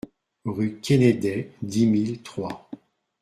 Rue Quennedey, dix mille Troyes